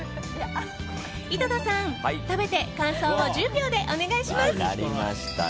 井戸田さん、食べて感想を１０秒でお願いします。